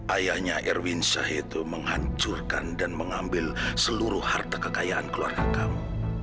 ayahnya erwin syah itu menghancurkan dan mengambil seluruh harta kekayaan keluarga kamu